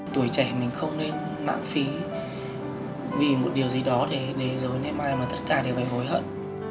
tuổi trẻ mình không nên lãng phí vì một điều gì đó để dối ngày mai mà tất cả đều phải hối hận